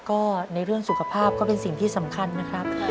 ก็ในเรื่องสุขภาพก็เป็นสิ่งที่สำคัญนะครับ